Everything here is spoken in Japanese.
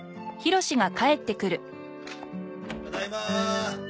ただいま。